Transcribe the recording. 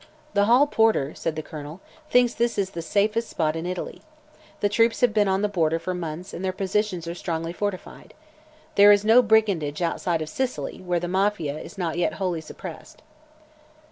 "The hall porter," said the Colonel, "thinks this is the safest place in Italy. The troops have been on the border for months and their positions are strongly fortified. There is no brigandage outside of Sicily, where the Mafia is not yet wholly suppressed."